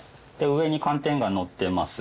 上に寒天がのってます。